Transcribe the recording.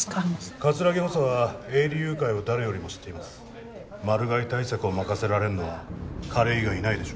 葛城補佐は営利誘拐を誰よりも知っていますマル害対策を任せられんのは彼以外いないでしょ